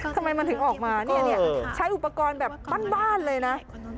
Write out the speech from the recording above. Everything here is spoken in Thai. ทำไมมันถึงออกมาเนี่ยใช้อุปกรณ์แบบบ้านเลยนะ